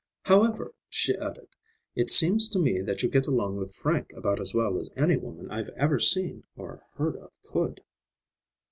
"However," she added, "it seems to me that you get along with Frank about as well as any woman I've ever seen or heard of could."